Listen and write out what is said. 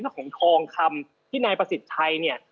ของทองคำที่นายประสิทธิ์ชัยเนี่ย